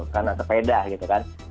kena sepeda gitu kan